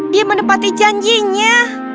dia menepati janjinya